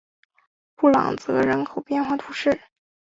布朗泽人口变化图示